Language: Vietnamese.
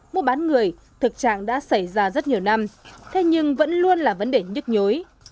mua bán người thực trạng đã xảy ra rất nhiều năm thế nhưng vẫn luôn là vấn đề nhức nhối